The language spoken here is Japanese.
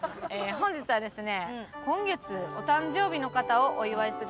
本日はですね。